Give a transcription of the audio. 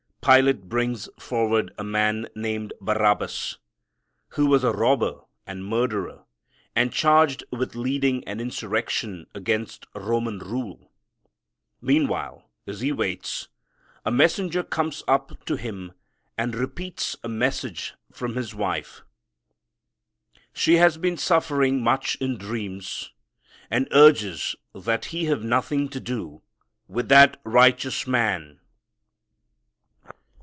Pilate brings forward a man named Barabbas, who was a robber and murderer and charged with leading an insurrection against Roman rule. Meanwhile, as he waits, a messenger comes up to him and repeats a message from his wife. She has been suffering much in dreams and urges that he have nothing to do with "that righteous man."